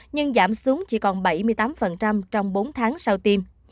nhưng giảm xuống chỉ còn bảy mươi tám trong bốn tháng sau tiêm